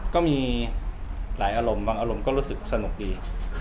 ก็มีหลายอารมณ์บางอารมณ์ก็รู้สึกสนุกดี